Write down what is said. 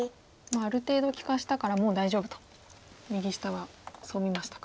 ある程度利かしたからもう大丈夫と右下はそう見ましたか。